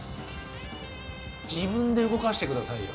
自分で動かしてくださいよ